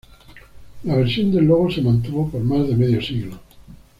La versión del logo se mantuvo por más de medio siglo.